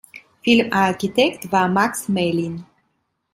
Filmarchitekt war Max Mellin.